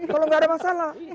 kalau gak ada masalah